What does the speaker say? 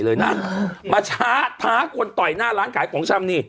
เลยนะมาท้าท้าคนคล่๋วนต่๋อยหน้าร้านขายของฉันนี่